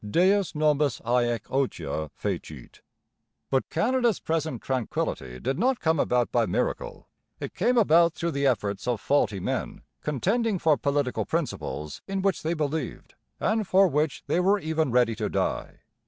Deus nobis haec otia fecit. But Canada's present tranquillity did not come about by miracle; it came about through the efforts of faulty men contending for political principles in which they believed and for which they were even ready to die.